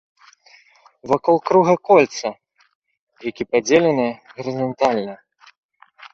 Вакол круга кольца, які падзеленае гарызантальна.